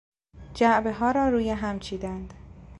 جعبهها را روی هم چیدند.